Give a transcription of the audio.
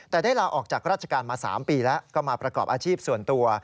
แต่ได้ลาออกจากราชการมา๓ปีแล้วก็มาประกอบอาชีพส่วนตัว